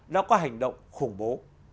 đã có hành động khủng bố